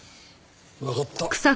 わかった。